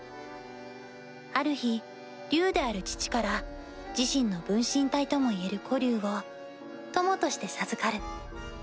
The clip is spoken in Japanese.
ある日竜である父から自身の分身体ともいえる子竜を友として授かる。